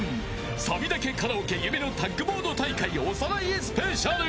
サビだけカラオケ夢のタッグモード大会おさらいスペシャル］